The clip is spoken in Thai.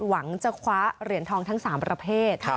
หวังจะคว้าเหรียญทองทั้ง๓ประเภท